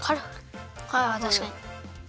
ああたしかに。